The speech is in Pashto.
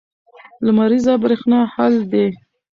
لمریزه برېښنا حل دی.